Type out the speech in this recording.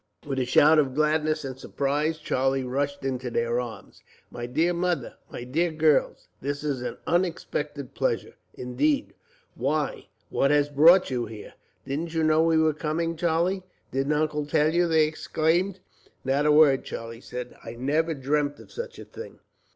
With a shout of gladness and surprise, Charlie rushed into their arms. "My dear mother, my dear girls, this is an unexpected pleasure, indeed! Why, what has brought you here?" "Didn't you know we were coming, Charlie? Didn't Uncle tell you?" they exclaimed. "Not a word," Charlie said. "I never dreamt of such a thing.